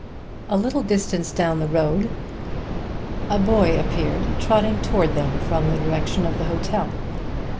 A little distance down the road a boy appeared trotting towards them from the direction of the hotel.